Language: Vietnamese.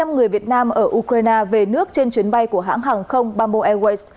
ba trăm linh người việt nam ở ukraine về nước trên chuyến bay của hãng hàng không bamboo airways